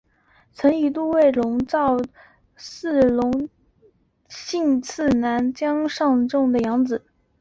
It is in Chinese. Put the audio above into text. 曾一度成为龙造寺隆信次男江上家种的养子。